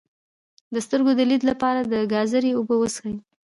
د سترګو د لید لپاره د ګازرې اوبه وڅښئ